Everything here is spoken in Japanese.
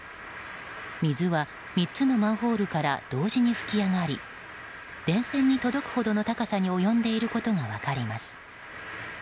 水は３つのマンホールから同時に噴き上がり電線に届くほどの高さに及んでいることが分かります。